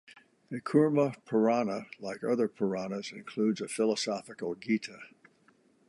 The Kurma Purana, like other Puranas, includes a philosophical Gita.